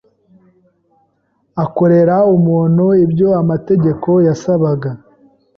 akorere umuntu ibyo amategeko yasabaga